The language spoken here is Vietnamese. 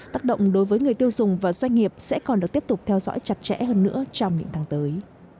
tác động đối với người tiêu dùng và doanh nghiệp sẽ còn được tiếp tục theo dõi chặt chẽ hơn nữa trong những tháng tới